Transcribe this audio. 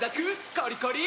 コリコリ！